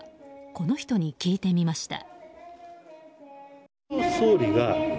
この人に聞いてみました。